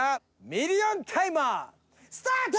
ミリオンタイマースタート！